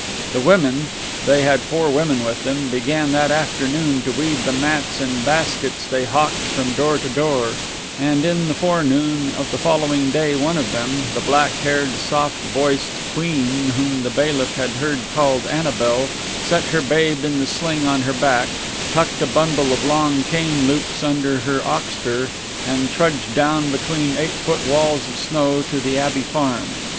The women they had four women with them began that afternoon to weave the mats and baskets they hawked from door to door; and in the forenoon of the following day one of them, the black haired, soft voiced quean whom the bailiff had heard called Annabel, set her babe in the sling on her back, tucked a bundle of long cane loops under her oxter, and trudged down between eight foot walls of snow to the Abbey Farm.